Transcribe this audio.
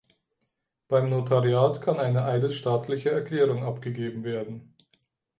Beim Notariat kann eine eidesstattliche Erklärung abgegeben werden.